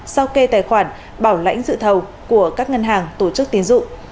sao kê tài khoản bảo lãnh dự thầu của các ngân hàng tổ chức tín dụng